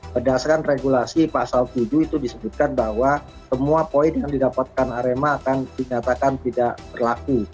berdasarkan regulasi pasal tujuh itu disebutkan bahwa semua poin yang didapatkan arema akan dinyatakan tidak berlaku